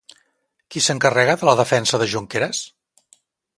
Qui s'encarrega de la defensa de Junqueras?